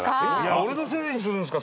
俺のせいにするんですか？